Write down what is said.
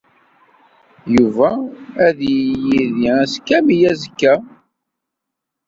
Yuba ad yili yid-i ass kamel azekka.